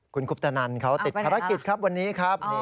คุณคุปตนันเขาติดภารกิจครับวันนี้ครับ